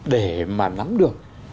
để mà nắm được